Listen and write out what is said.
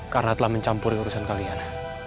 karena telah mencampuri urusan kalian